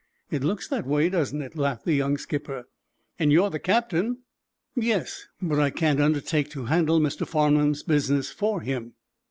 "It looks that way, doesn't it?" laughed the young skipper. "And you're the captain?" "Yes; but I can't undertake to handle Mr. Farnum's business for him."